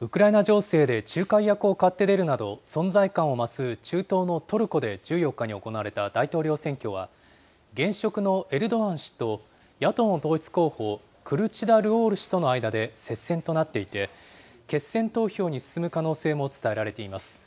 ウクライナ情勢で仲介役を買って出るなど、存在感を増す中東のトルコで１４日に行われた大統領選挙は、現職のエルドアン氏と野党統一候補、クルチダルオール氏との間で接戦となっていて、決選投票に進む可能性も伝えられています。